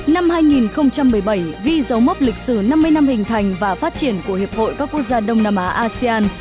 năm hai nghìn một mươi bảy ghi dấu mốc lịch sử năm mươi năm hình thành và phát triển của hiệp hội các quốc gia đông nam á asean